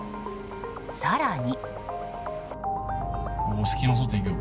更に。